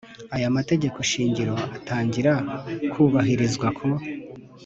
Aya mategeko shingiro atangira kubahirizwa ku